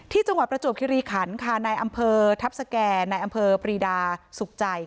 จังหวัดประจวบคิริขันค่ะในอำเภอทัพสแก่ในอำเภอปรีดาสุขใจ